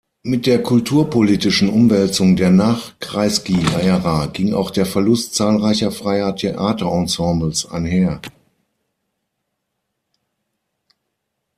Mit der kulturpolitischen Umwälzung der Nach-Kreisky-Ära ging auch der Verlust zahlreicher freier Theaterensembles einher.